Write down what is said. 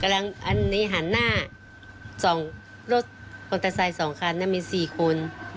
ตอนนี้หันหน้ารถโบสถ์ทะาสายสองขันมีสี่คน